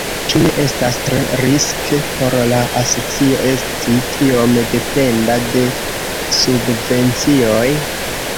Ĉu ne estas tre riske por la asocio esti tiom dependa de subvencioj?